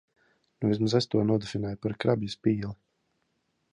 Nu, vismaz es to nodefinēju par krabja spīli.